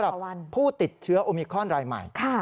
สำหรับผู้ติดเชื้อโอมิครอนรายใหม่